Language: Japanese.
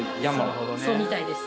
そうみたいです。